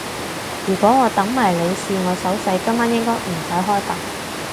如果我等埋你試我手勢，今晚應該唔使開飯